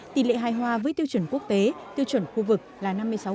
tỷ lệ hài hòa với tiêu chuẩn quốc tế tiêu chuẩn khu vực là năm mươi sáu